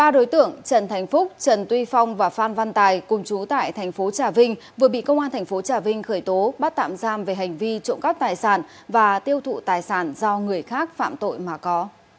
ba đối tượng trần thành phúc trần tuy phong và phan văn tài cùng chú tại thành phố trà vinh vừa bị công an thành phố trà vinh khởi tố bắt tạm giam về hành vi trộm cắp tài sản và tiêu thụ tài sản do người khác phạm tội mà có